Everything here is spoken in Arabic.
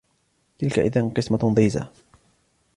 تلك إذا قسمة ضيزى